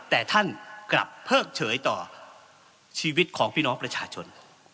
แต่ท่านกลับเพิกเฉยต่อชีวิตของพี่น้องประชาชน